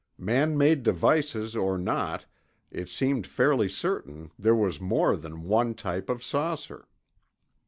Man made devices or not, it seemed fairly certain there was more than one type of saucer.